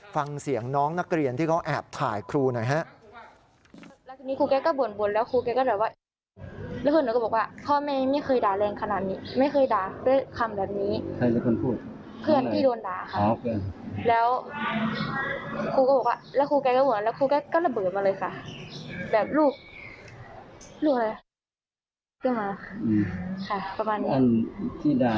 ฟังเสียงน้องนักเรียนที่เขาแอบถ่ายครูหน่อยฮะ